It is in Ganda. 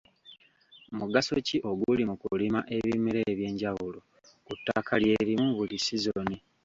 Mugaso ki oguli mu kulima ebimera eby'enjawulo ku ttaka lye limu buli sizoni?